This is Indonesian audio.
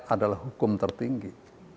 adalah hukum tertinggi